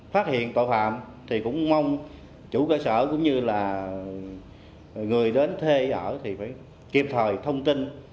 phát hiện tội phạm thì cũng mong chủ cơ sở cũng như là người đến thuê ở thì phải kịp thời thông tin